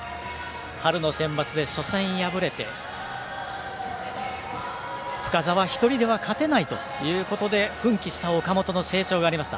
春のセンバツで初戦敗れて深沢１人では勝てないということで奮起した岡本の成長がありました。